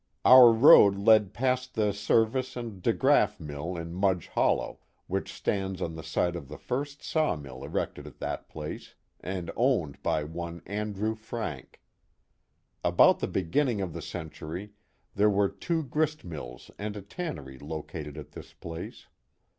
Our road led past the Serviss & DeGrafI mill in Mudge Hollow, which stands on the site of the fir.st sawmill erected at that place, and owned by one Andrew Frank. About the beginning of the century there were two grist mills and a tannery located at this place.